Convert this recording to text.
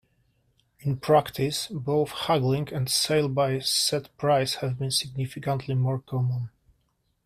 In practice, both haggling and sale by set-price have been significantly more common.